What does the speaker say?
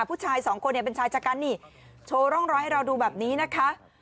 ผู้ชายสองคนเนี่ยเป็นชายชะกันนี่โชว์ร่องรอยให้เราดูแบบนี้นะคะ